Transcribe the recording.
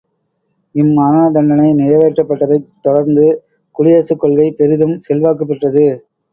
இம் மரணதண்டனை நிறைவேற்றப்பட்டதைத் தொடர்ந்து குடியரசுக் கொள்கை பெரிதும் செல்வாக்குப் பெற்றது.